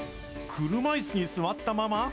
車いすに座ったまま？